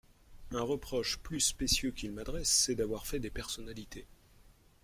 Un reproche plus spécieux qu'ils m'adressent, c'est d'avoir fait des personnalités.